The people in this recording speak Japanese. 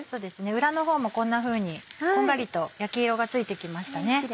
裏の方もこんなふうにこんがりと焼き色がついてきましたね。